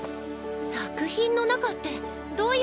作品の中ってどういう意味？